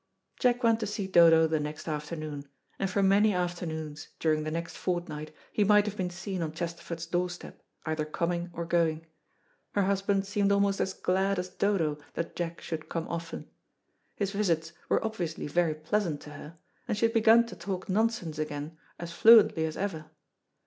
Jack went to see Dodo the next afternoon, and for many afternoons during the next fortnight he might have been seen on Chesterford's doorstep, either coming or going. Her husband seemed almost as glad as Dodo that Jack should come often. His visits were obviously very pleasant to her, and she had begun to talk nonsense again as fluently as ever.